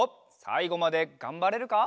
さいごまでがんばれるか？